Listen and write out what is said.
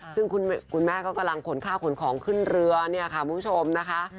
ซึ่งคุณแม่ก็กำลังขนข้าวขนของขึ้นเรือเนี่ยค่ะคุณผู้ชมนะคะ